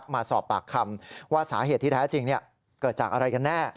มาสอบปากคำว่าสาเหตุที่แท้จริงเกิดจากอะไรกันแน่